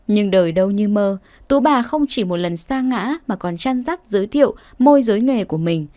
nhưng đời đâu như mơ tú bà không chỉ một lần xa ngã mà còn chăn rắc giới thiệu môi giới nghề của mình